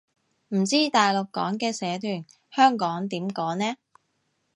唔知大陸講嘅社團，香港點講呢